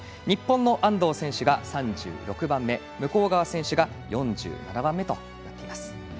日本の安藤選手が３６番目向川選手が４７番目となっています。